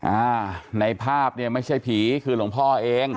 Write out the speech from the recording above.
อ่าในภาพเนี่ยไม่ใช่ผีคือหลวงพ่อเอง